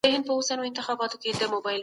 خو زیات خوب سستي راوړي.